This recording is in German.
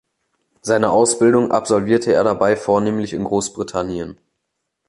Seine Ausbildung absolvierte er dabei vornehmlich in Großbritannien.